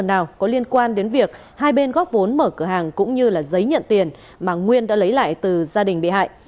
nào có liên quan đến việc hai bên góp vốn mở cửa hàng cũng như là giấy nhận tiền mà nguyên đã lấy lại từ gia đình bị hại